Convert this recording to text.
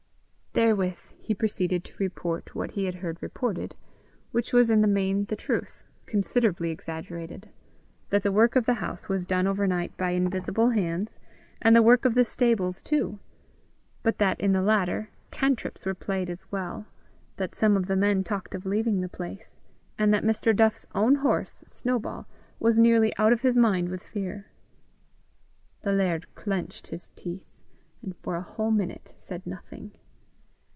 Therewith he proceeded to report what he had heard reported, which was in the main the truth, considerably exaggerated that the work of the house was done over night by invisible hands and the work of the stables, too; but that in the latter, cantrips were played as well; that some of the men talked of leaving the place; and that Mr. Duff's own horse, Snowball, was nearly out of his mind with fear. The laird clenched his teeth, and for a whole minute said nothing.